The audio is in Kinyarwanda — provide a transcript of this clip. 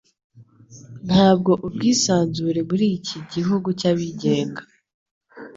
Ntabwo ubwisanzure muri iki "igihugu cyabigenga.